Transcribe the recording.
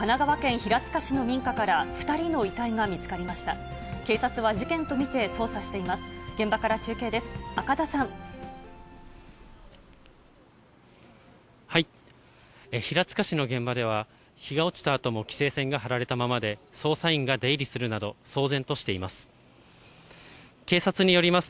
平塚市の現場では、日が落ちたあとも規制線が張られたままで、捜査員が出入りするなど、騒然としています。